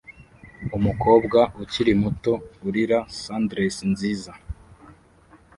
Umukobwa ukiri muto urira sundress nziza